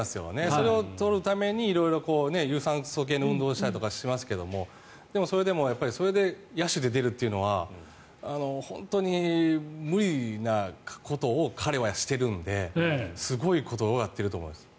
それを取るために色々有酸素系の運動したりしますけどでも、それで野手で出るというのは本当に無理なことを彼はしているのですごいことをやっていると思います。